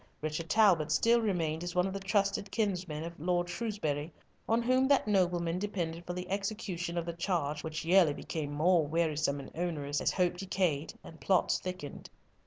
Richard Talbot still remained as one of the trusted kinsmen of Lord Shrewsbury, on whom that nobleman depended for the execution of the charge which yearly became more wearisome and onerous, as hope decayed and plots thickened.